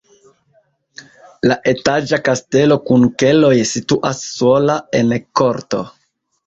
La etaĝa kastelo kun keloj situas sola en korto.